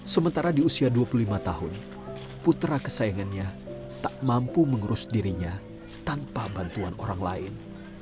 sementara di usia dua puluh lima tahun putra kesayangannya tak mampu mengurus dirinya tanpa bantuan orang lain